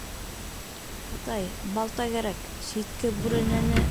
— Атай, балта кәрәк, ситке бүрәнәне...